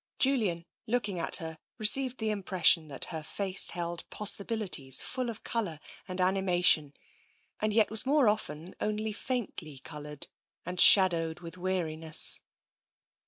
Julian, looking at her, received the impression that her face held possibilities full of colour and ani mation, and yet was more often only faintly coloured, and shadowed with weariness.